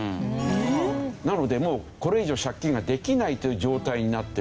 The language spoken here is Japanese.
えーっ！なのでもうこれ以上借金ができないという状態になってる。